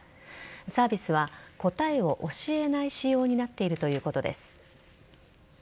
サービスは答えを教えない仕様になっているということです。